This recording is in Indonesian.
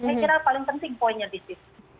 saya kira paling penting poinnya disitu